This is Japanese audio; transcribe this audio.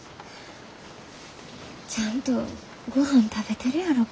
ちゃんとごはん食べてるやろか。